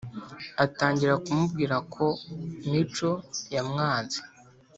atangira kumubwira ko mico yamwanze